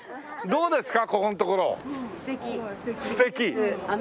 そうですか。